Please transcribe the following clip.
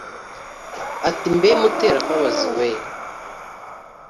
Ati"mbe Muterambabazi we